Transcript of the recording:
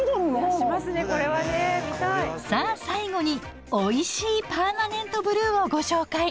さあ最後においしいパーマネントブルーをご紹介！